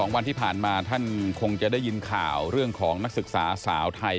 วันที่ผ่านมาท่านคงจะได้ยินข่าวเรื่องของนักศึกษาสาวไทย